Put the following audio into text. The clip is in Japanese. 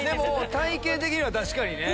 体形的には確かにね。